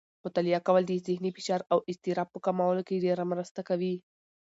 مطالعه کول د ذهني فشار او اضطراب په کمولو کې ډېره مرسته کوي.